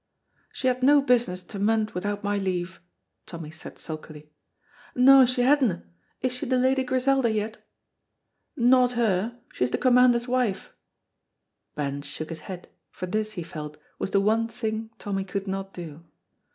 "She had no business to munt without my leave," Tommy said sulkily. "No, she hadna. Is she the Lady Griselda yet?" "Not her, she's the Commander's wife." Ben shook his head, for this, he felt, was the one thing Tommy could not do.